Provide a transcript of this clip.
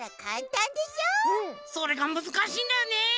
それがむずかしいんだよね。